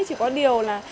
chỉ có điều là